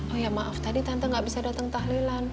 oh ya maaf tadi tante gak bisa datang tahlilan